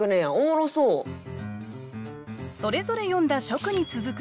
それぞれ詠んだ初句に続く